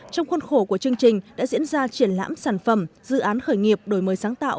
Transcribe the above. trong khuôn khổ của chương trình đã diễn ra triển lãm sản phẩm dự án khởi nghiệp đổi mới sáng tạo